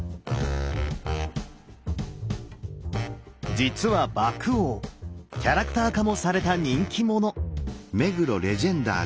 実は獏王キャラクター化もされた人気者！